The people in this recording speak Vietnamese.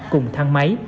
cùng thang máy